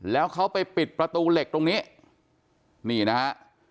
แล้วเขาไปปิดประตูเหล็กตรงนี้นี่นะฮะ